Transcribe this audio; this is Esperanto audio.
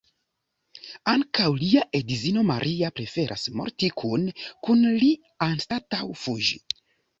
Ankaŭ lia edzino Maria preferas morti kune kun li anstataŭ fuĝi.